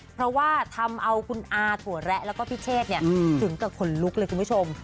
เพราะว่าทำเอาคุณอาถั่วแระแล้วก็พี่เชษถึงกับขนลุกเลยคุณผู้ชม